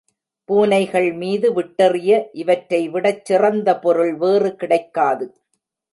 பூனைகள் மீது விட்டெறிய இவற்றை விடச் சிறந்த பொருள் வேறு கிடைக்காது.